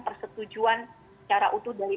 persetujuan secara utuh dari